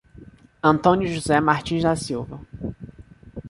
Antônio José Martins da Silva